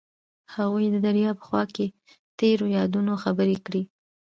هغوی د دریا په خوا کې تیرو یادونو خبرې کړې.